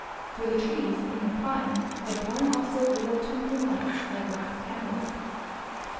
For the trees in their prime had borne also little twinkling lights like wax candles.